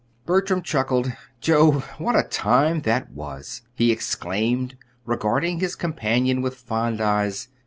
Bertram chuckled. "Jove! What a time that was!" he exclaimed, regarding his companion with fond eyes.